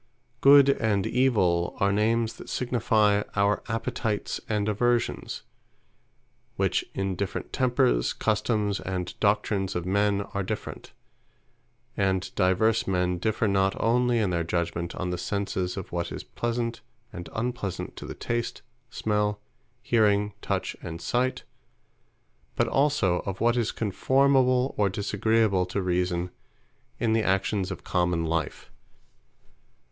Good, and Evill, are names that signifie our Appetites, and Aversions; which in different tempers, customes, and doctrines of men, are different: And divers men, differ not onely in their Judgement, on the senses of what is pleasant, and unpleasant to the tast, smell, hearing, touch, and sight; but also of what is conformable, or disagreeable to Reason, in the actions of common life.